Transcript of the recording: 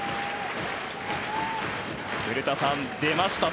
古田さん、出ました。